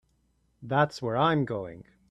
That's where I'm going.